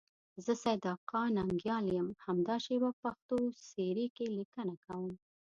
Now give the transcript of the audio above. زه سیدآقا ننگیال یم، همدا شیبه په پښتو سیرې کې لیکنه کوم.